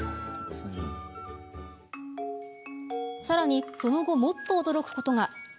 さらに、その後もっと驚くことが。